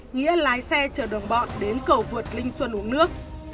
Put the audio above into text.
nghĩa lái xe chở đồng bọn đến cầu vượt linh xuân uống nước